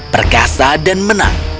perkasa dan menang